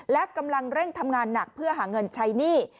และกำลังเร่งทำงานหนักเพื่อหาเงินใช้หนี้